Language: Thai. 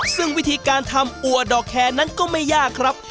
ซึ่งวิธีการทำอัวดอกแคร์นั้นก็ไม่ยากครับ